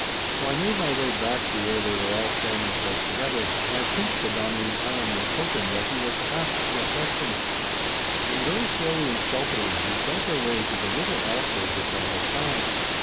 So I made my way back to where they were all standing close together, and I pinched the Dominie's arm in token that he was to ask no questions. Then very slowly and stealthily we felt our way to the little alcove which I had found.